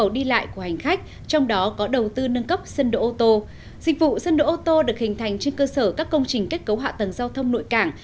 sân đội ô tô được hình thành trên cơ sở các công trình kết cấu hạ tầng giao thông nội cảng